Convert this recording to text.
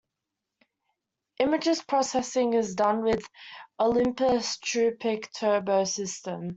Image processing is done with Olympus' TruePic Turbo system.